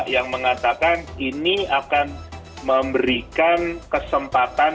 yang mengatakan ini akan memberikan kesempatan